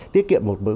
tiết kiệm một